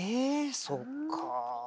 そっかぁ。